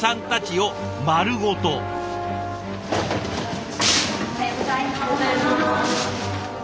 おはようございます。